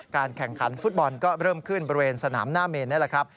แข่งขันฟุตบอลก็เริ่มขึ้นบริเวณสนามหน้าเมนนี่แหละครับ